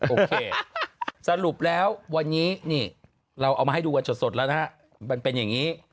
โอเคสรุปแล้ววันนี้นี่เราเอามาให้ดูกันสดแล้วนะฮะมันเป็นอย่างนี้